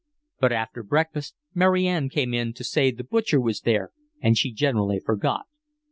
But after breakfast Mary Ann came in to say the butcher was there, and she generally forgot.